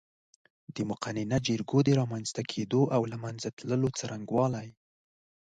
د مقننه جرګو د رامنځ ته کېدو او له منځه تللو څرنګوالی